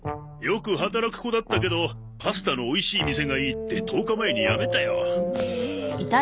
よく働く子だったけどパスタのおいしい店がいいって１０日前に辞めたよ。